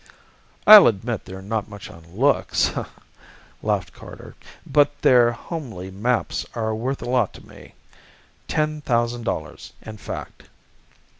"I'll admit they're not much on looks," laughed Carter. "But their homely maps are worth a lot to me ten thousand dollars, in fact!"